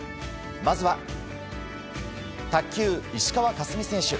まずは卓球、石川佳純選手。